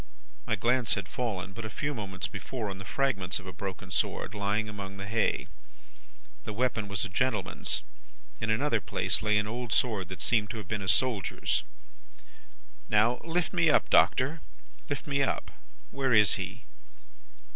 "My glance had fallen, but a few moments before, on the fragments of a broken sword, lying among the hay. That weapon was a gentleman's. In another place, lay an old sword that seemed to have been a soldier's. "'Now, lift me up, Doctor; lift me up. Where is he?